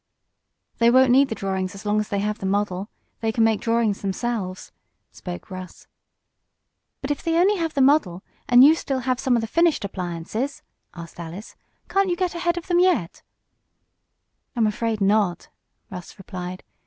"They won't need the drawings as long as they have the model. They can make drawings themselves," spoke Russ. "But if they only have the model, and you still have some of the finished appliances," asked Alice, "can't you get ahead of them yet?" "I'm afraid not," Russ replied.